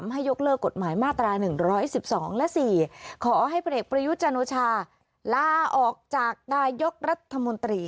ให้ยกเลิกกฎหมายมาตรา๑๑๒และ๔ขอให้ผลเอกประยุทธ์จันโอชาลาออกจากนายกรัฐมนตรี